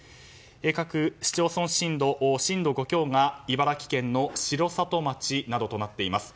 各市町村震度震度５強が茨城県の城里町などとなっています。